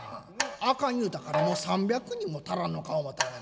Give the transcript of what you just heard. あかん言うたからもう３００人も足らんのか思たがな。